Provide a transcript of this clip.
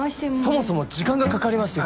そもそも時間がかかりますよ。